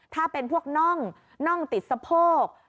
ถ้าเป็นพวกน่องน่องติดสะโพก